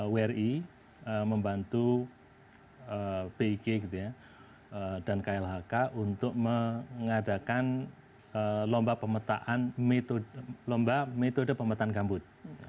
wri membantu pik gitu ya dan klhk untuk mengadakan lomba pemetaan metode pemetaan gambut